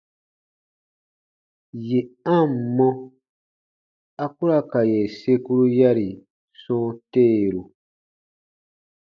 Yè a ǹ mɔ, a ku ra ka yè sekuru yari sɔ̃ɔ teeru.